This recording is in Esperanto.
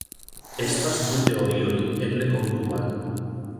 Estas du teorioj eble kongruaj.